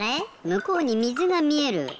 むこうにみずがみえる。